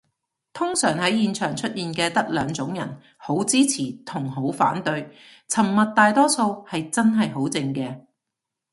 通常喺現場出現嘅得兩種人，好支持同好反對，沉默大多數係真係好靜嘅